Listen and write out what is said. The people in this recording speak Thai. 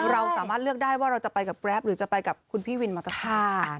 เราสามารถเลือกได้ว่าเราจะไปกับแกรปหรือจะไปกับคุณพี่วินมอเตอร์ค่า